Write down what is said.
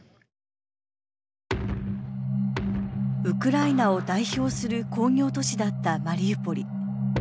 ウクライナを代表する工業都市だったマリウポリ。